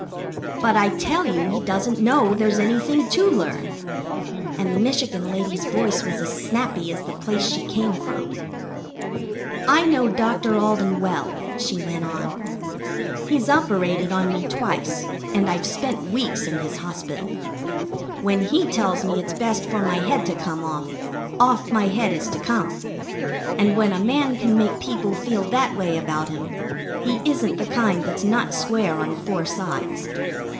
"But I tell you he doesn't know there's anything to learn." And the Michigan lady's voice was as snappy as the place she came from. "I know Dr. Alden well," she went on. "He's operated on me twice, and I've spent weeks in his hospital. When he tells me it's best for my head to come off off my head is to come. And when a man can make people feel that way about him, he isn't the kind that's not square on four sides.